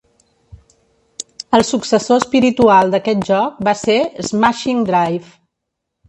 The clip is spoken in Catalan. El successor espiritual d'aquest joc va ser "Smashing Drive".